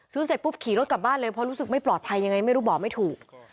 เสร็จปุ๊บขี่รถกลับบ้านเลยเพราะรู้สึกไม่ปลอดภัยยังไงไม่รู้บอกไม่ถูก